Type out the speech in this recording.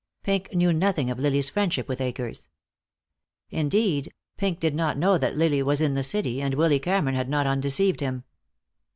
Pink knew nothing of Lily's friendship with Akers. Indeed, Pink did not know that Lily was in the city, and Willy Cameron had not undeceived him.